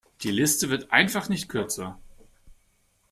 Die Liste wird einfach nicht kürzer.